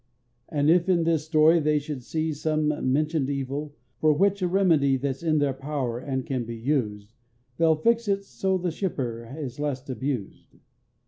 And if in this story, they should see Some mentioned evil, for which a remedy That's in their power and can be used, They'll fix it so the shipper is less abused.